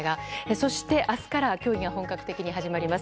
そして、明日から競技が本格的に始まります。